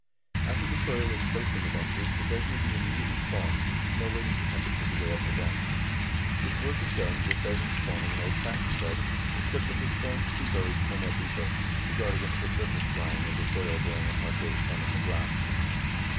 After the soil is placed in the benches the bed may be immediately spawned; no waiting for temperature to go up or down. This work is done just as in spawning an old fashioned bed, except that the spawn should be buried somewhat deeper, to guard against the surface drying of the soil during a hard day's sun on the glass.